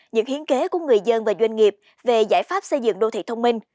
những hiến kế của người dân và doanh nghiệp về giải pháp xây dựng đô thị thông minh